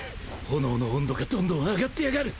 炎の温度がどんどん上がってやがる